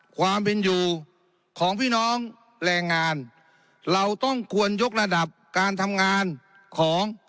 ความเป็นอยู่ของพี่น้องแรงงานเราต้องควรยกระดับการทำงานของ